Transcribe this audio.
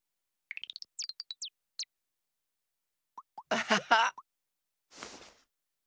アハハッ。